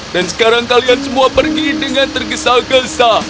sekarang kalian semua pergi dengan tergesa gesa